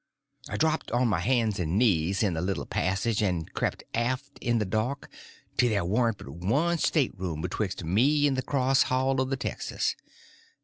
So I dropped on my hands and knees in the little passage, and crept aft in the dark till there warn't but one stateroom betwixt me and the cross hall of the texas.